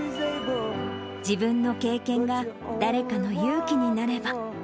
自分の経験が誰かの勇気になれば。